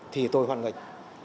thì tôi hoàn nghịch